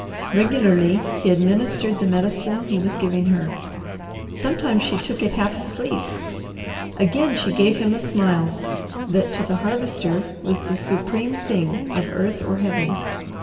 Regularly he administered the medicine he was giving her. Sometimes she took it half asleep; again she gave him a smile that to the Harvester was the supreme thing of earth or Heaven.